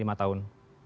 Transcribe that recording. ya lima tahun